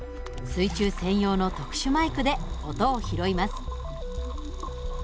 水中専用の特殊マイクで音を拾います。